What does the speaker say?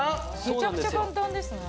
めちゃくちゃ簡単ですね。